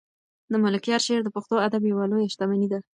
د ملکیار شعر د پښتو ادب یوه لویه شتمني ده.